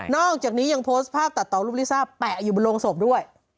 อกจากนี้ยังโพสต์ภาพตัดต่อรูปลิซ่าแปะอยู่บนโรงศพด้วย